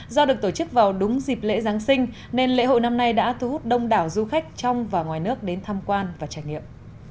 do được tổ chức vào đúng dịp lễ giáng sinh nên lễ hội năm nay đã thu hút đông đảo du khách trong và ngoài nước đến tham quan và trải nghiệm